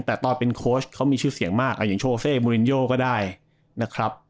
แต่ตอนเป็นโค้ชเขามีชื่อเสียงมากอย่างโชเซมูลินโยก็ได้นะครับ